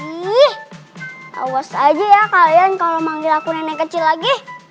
awas aja ya kalian kalau manggil aku nenek kecil lagi